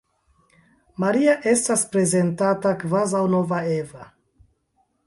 Maria estas prezentata kvazaŭ nova Eva.